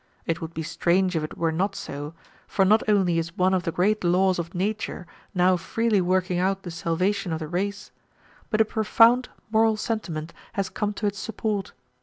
It would be strange if it were not so, for not only is one of the great laws of nature now freely working out the salvation of the race, but a profound moral sentiment has come to its support.